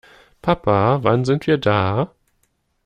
Papa, wann sind wir da?